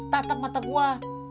tatap mata gua